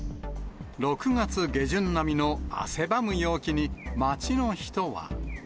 ６月下旬並みの汗ばむ陽気に、街の人は。